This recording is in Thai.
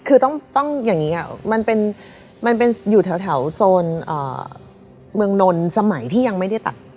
คือต้องอย่างนี้มันเป็นอยู่แถวโซนเมืองนนท์สมัยที่ยังไม่ได้ตัด